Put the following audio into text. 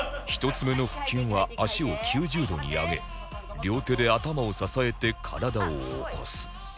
１つ目の腹筋は足を９０度に上げ両手で頭を支えて体を起こす